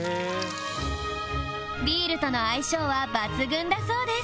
ビールとの相性は抜群だそうです